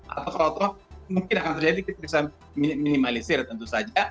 atau kalau mungkin akan terjadi kita bisa minimalisir tentu saja